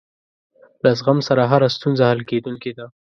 له زغم سره هره ستونزه حل کېدونکې ده.